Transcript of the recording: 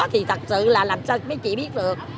thì thật sự là làm sao mấy chỉ biết được